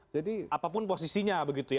jadi apapun posisinya begitu ya